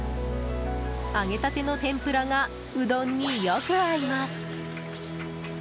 揚げたての天ぷらがうどんによく合います。